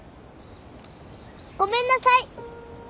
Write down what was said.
ごめんなさい。